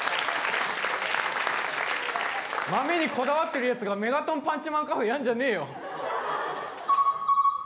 豆にこだわってるやつがメガトンパンチマンカフェやんじゃねえよ。